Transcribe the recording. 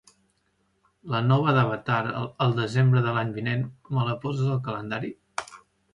La nova d'"Avatar" al desembre de l'any vinent, me la poses al calendari?